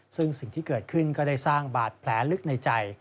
ซึ่งสิ่งที่เกิดขึ้นก็ได้สร้างบาดแผลลึกในใจ